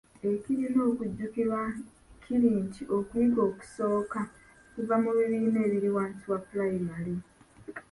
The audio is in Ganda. Ekirina okujjukirwa kiri nti okuyiga okusooka kuva mu bibiina ebiri wansi wa pulayimale.